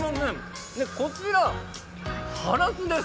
こちら、ハラスです。